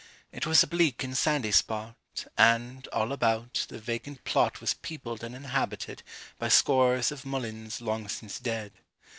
It was a bleak and sandy spot, And, all about, the vacant plot Was peopled and inhabited By scores of mulleins long since dead.